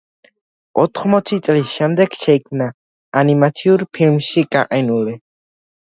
ოთხმოცი წლის შემდეგ შეიქმნა ანიმაციური ფილმში „გაყინული“.